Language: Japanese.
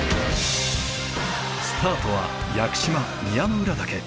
スタートは屋久島宮之浦岳。